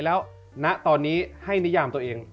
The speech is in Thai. แล้วณตอนนี้ให้นิยามตัวเอง